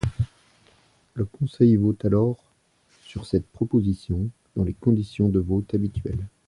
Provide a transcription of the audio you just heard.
Le conseil vote alors sur cette proposition dans les conditions de vote habituelles.